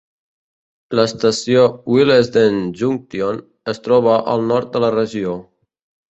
L'estació Willesden Junction es troba al nord de la regió.